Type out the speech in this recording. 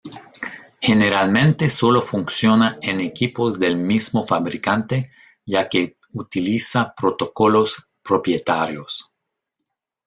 Generalmente solo funciona en equipos del mismo fabricante ya que utiliza protocolos propietarios.